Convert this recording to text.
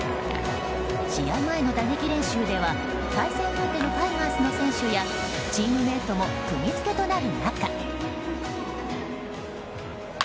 試合前の打撃練習では対戦相手のタイガースの選手やチームメートも釘付けとなる中。